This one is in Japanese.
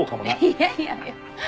いやいやいや。